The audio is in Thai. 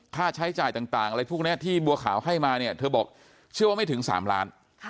ค่าใช้จ่ายต่างอะไรพวกนี้ที่บัวขาวให้มาเนี่ยเธอบอกเชื่อว่าไม่ถึง๓ล้าน